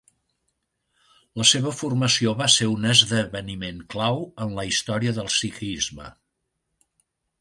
La seva formació va ser un esdeveniment clau en la història del sikhisme.